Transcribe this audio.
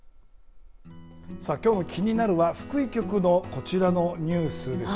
きょうの気になるは福井局のこちらのニュースです。